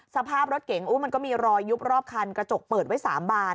สภาพรถเก๋งมันก็มีรอยยุบรอบคันกระจกเปิดไว้๓บาน